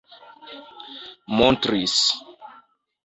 montris